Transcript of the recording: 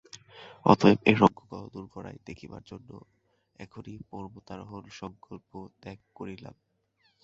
অতএব এ রঙ্গ কতদূর গড়ায়, দেখিবার জন্য এক্ষণে পর্বতারোহণ-সংকল্প ত্যাগ করিলাম।